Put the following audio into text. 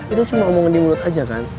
itu cuma omongan di mulut aja kan